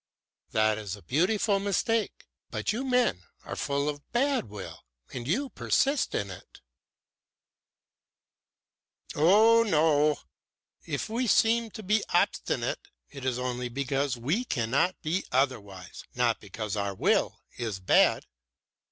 "That is a beautiful mistake. But you men are full of bad will and you persist in it." "Oh no! If we seem to be obstinate, it is only because we cannot be otherwise, not because our will is bad.